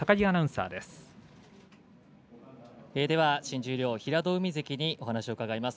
では新十両の平戸海関にお話を伺います。